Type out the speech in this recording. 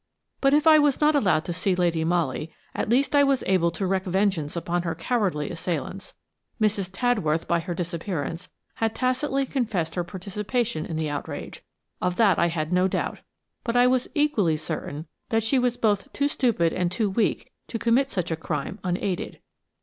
But if I was not allowed to see Lady Molly, at least I was able to wreak vengeance upon her cowardly assailants. Mrs. Tadworth, by her disappearance, had tacitly confessed her participation in the outrage, of that I had no doubt, but I was equally certain that she was both too stupid and too weak to commit such a crime unaided.